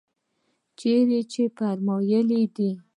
چې فرمايلي يې دي.